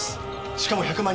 しかも１００万